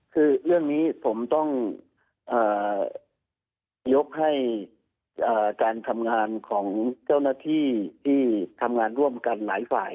คือเรื่องนี้ผมต้องยกให้การทำงานของเจ้าหน้าที่ที่ทำงานร่วมกันหลายฝ่าย